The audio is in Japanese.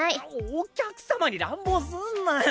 お客様に乱暴すんなよ！